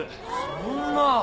そんな。